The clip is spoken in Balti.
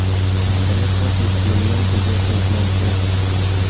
دیرے کھو سی سمونلم چی بیاسے نہ زیرس